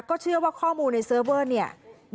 ก็เชื่อว่าข้อมูลในเซิร์ฟเวอร์เนี่ย